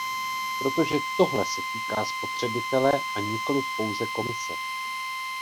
Protože tohle se týká spotřebitele, a nikoliv pouze Komise.